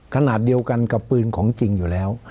ขนาดเดียวกันกับปืนของจริงอยู่แล้ว